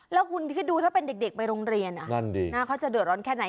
แล้วคุณที่ดูถ้าเป็นเด็กเด็กไปโรงเรียนน่ะนั่นดีน่าเขาจะเดือดร้อนแค่ไหน